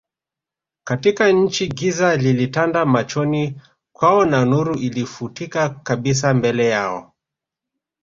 katika nchi Giza lilitanda machoni kwao na nuru ilifutika kabisa mbele yao